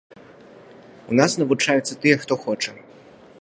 У нас навучаюцца тыя, хто хоча.